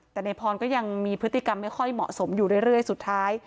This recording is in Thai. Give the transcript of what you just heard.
แต่ในพรก็ยังมีพฤติกรรมไม่ค่อยเหมาะสมอยู่เรื่อยสุดท้าย